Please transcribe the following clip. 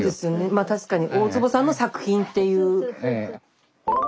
まあ確かに大坪さんの作品っていう。